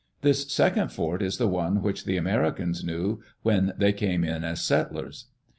This second fort is the one which the Americans knew when they came in as settlers.